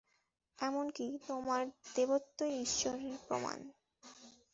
এমন কি, তোমার দেবত্বই ঈশ্বরের প্রমাণ।